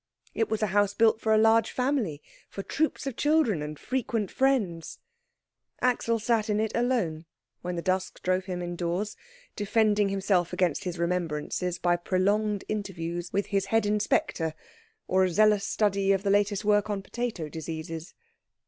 It was a house built for a large family, for troops of children, and frequent friends. Axel sat in it alone when the dusk drove him indoors, defending himself against his remembrances by prolonged interviews with his head inspector, or a zealous study of the latest work on potato diseases.